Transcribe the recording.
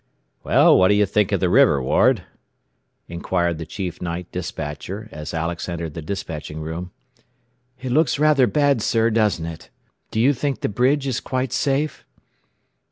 "Well, what do you think of the river, Ward?" inquired the chief night despatcher as Alex entered the despatching room. "It looks rather bad, sir, doesn't it. Do you think the bridge is quite safe?"